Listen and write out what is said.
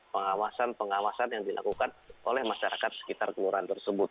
pengawasan pengawasan yang dilakukan oleh masyarakat sekitar kelurahan tersebut